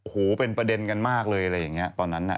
โอ้โหเป็นประเด็นกันมากเลยอะไรอย่างนี้ตอนนั้นน่ะ